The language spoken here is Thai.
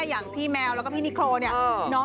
เหมือนพี่แมวและพี่นิโคน์